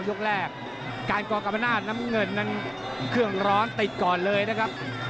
ยกแรกการกรกรรมนาศน้ำเงินนั้นเครื่องร้อนติดก่อนเลยนะครับ